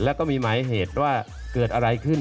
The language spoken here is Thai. แล้วก็มีหมายเหตุว่าเกิดอะไรขึ้น